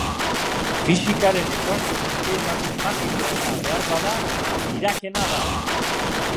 Fisikaren ekuazio guztietatik magikoena, beharbada, Dirac-ena da.